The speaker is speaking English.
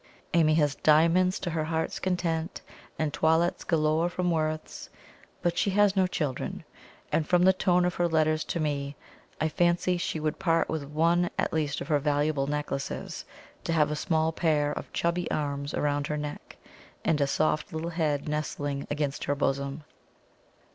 Amy has diamonds to her heart's content, and toilettes galore from Worth's; but she has no children, and from the tone of her letters to me, I fancy she would part with one at least of her valuable necklaces to have a small pair of chubby arms round her neck, and a soft little head nestling against her bosom.